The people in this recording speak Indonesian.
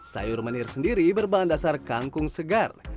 sayur menir sendiri berbahan dasar kangkung segar